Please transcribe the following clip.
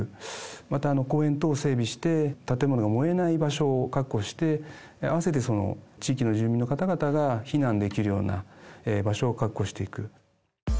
また、公園等を整備して、建物が燃えない場所を確保して、合わせてその地域の住民の方々が避難できるような場所を確保していく。